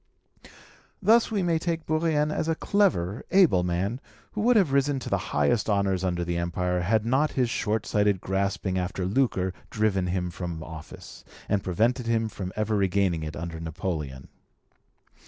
Thus we may take Bourrienne as a clever, able man, who would have risen to the highest honours under the Empire had not his short sighted grasping after lucre driven him from office, and prevented him from ever regaining it under Napoleon.